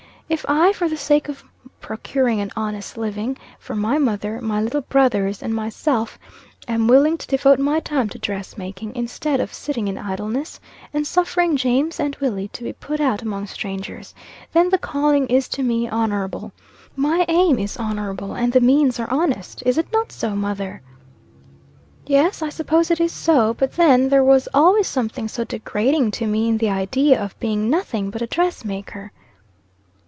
If I, for the sake of procuring an honest living for my mother, my little brothers, and myself, am willing to devote my time to dress making, instead of sitting in idleness, and suffering James and Willie to be put out among strangers, then the calling is to me honorable. My aim is honorable, and the means are honest. Is it not so, mother?" "Yes, I suppose it is so. But then there was always something so degrading to me in the idea of being nothing but a dress maker!"